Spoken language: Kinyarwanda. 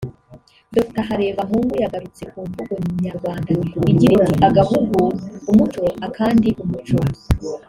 Dr Harebamungu yagarutse ku mvugo nyarwanda igira iti “Agahugu umuco akandi umuco”